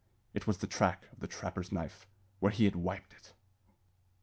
It was the track of the trapper's knife where he had wiped it!